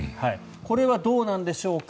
これはどうなんでしょうか